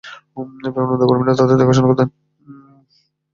বিমানবন্দরের কর্মীরা তাদের দেখাশোনা করতেন।